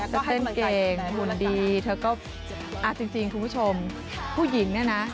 ก็เต้นเก่งหุ่นดีเธอก็จริงคุณผู้ชมผู้หญิงเนี่ยนะ